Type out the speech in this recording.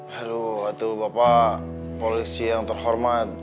halo aduh bapak polisi yang terhormat